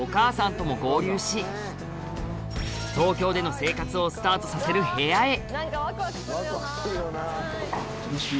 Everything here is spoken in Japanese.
東京での生活をスタートさせる部屋へ！